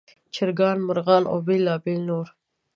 چرګان، مرغان او بېلابېل نور.